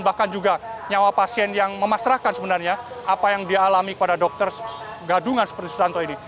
bahkan juga nyawa pasien yang memasrahkan sebenarnya apa yang dia alami kepada dokter gadungan seperti susanto ini